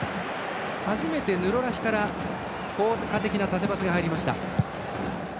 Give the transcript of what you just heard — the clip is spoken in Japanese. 初めてヌロラヒから効果的な縦パスが入りました。